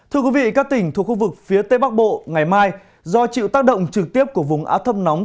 thưa quý vị các tỉnh thuộc khu vực phía tây bắc bộ ngày mai do chịu tác động trực tiếp của vùng áp thấp nóng